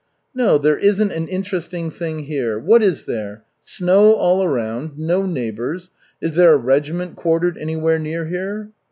"No, there isn't an interesting thing here. What is there? Snow all around, no neighbors. Is there a regiment quartered anywhere near here?"